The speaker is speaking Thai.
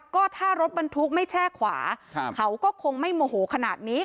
ก็ถ้ารถบรรทุกไม่แช่ขวาเขาก็คงไม่โมโหขนาดนี้